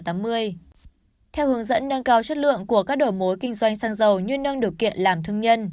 theo hướng dẫn nâng cao chất lượng của các đầu mối kinh doanh xăng dầu như nâng điều kiện làm thương nhân